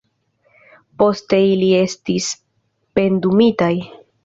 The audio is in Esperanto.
Poste ili estis pendumitaj.